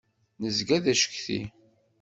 Nezga d acetki.